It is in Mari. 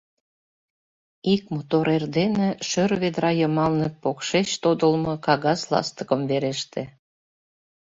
Ик мотор эрдене шӧр ведра йымалне покшеч тодылмо кагаз ластыкым вереште.